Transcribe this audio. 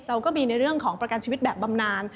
เราก็มีในเรื่องของประกันชีวิตแบบบำนาน